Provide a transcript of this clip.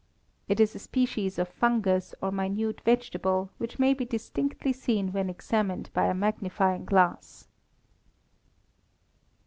_ It is a species of fungus, or minute vegetable, which may be distinctly seen when examined by a magnifying glass.